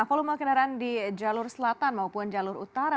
volume kendaraan di jalur selatan maupun jalur utara